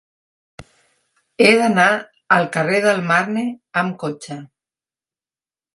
He d'anar al carrer del Marne amb cotxe.